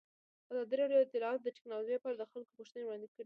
ازادي راډیو د اطلاعاتی تکنالوژي لپاره د خلکو غوښتنې وړاندې کړي.